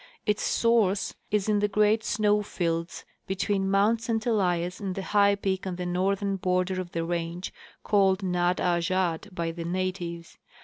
Its source is in the great snow fields between mount St Elias and the high peak orl! the northern border of the range called Nat azh at by the natives.